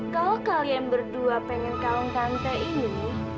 kalau kalian berdua pengen kalung tante ini